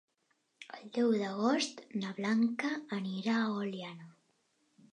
El deu d'agost na Blanca anirà a Oliana.